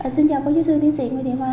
xin chào phó giáo sư tiến sĩ nguyễn thị hoa